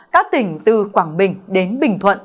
các tỉnh từ quảng bình đến bình thuận